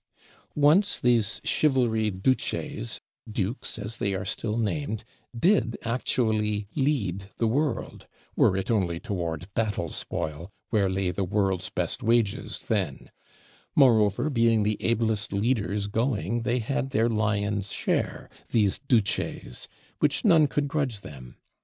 Once these Chivalry Duces (Dukes, as they are still named) did actually lead the world, were it only toward battle spoil, where lay the world's best wages then; moreover, being the ablest leaders going, they had their lion's share, these Duces, which none could grudge them.